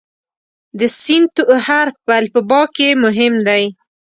د "س" حرف په الفبا کې مهم دی.